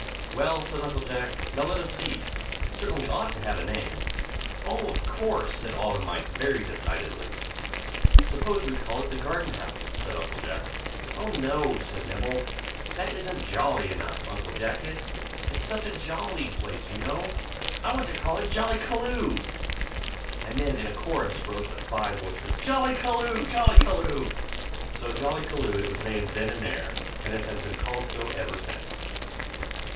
"Well," said Uncle Jack, "now let us see. It certainly ought to have a name." "Oh! of course!" said all the mice very decidedly. "Suppose we call it the Garden House," said Uncle Jack. "Oh, no!" said Nibble. "That isn't jolly enough, Uncle Jacket! it's such a jolly place, you know. I want to call it Jollykaloo!" And then in a chorus rose the five voices, "Jollykaloo! Jollykaloo!" so Jollykaloo it was named then and there, and it has been called so ever since.